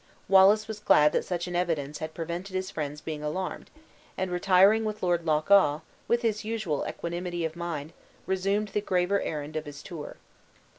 Wallace was glad that such an evidence had prevented his friends being alarmed; and retiring with Lord Loch awe, with his usual equanimity of mind resumed the graver errand of his tour.